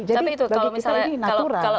jadi bagi kita ini natural